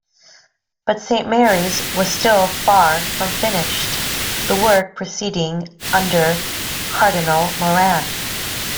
But Saint Mary's was still far from finished, the work proceeding under Cardinal Moran.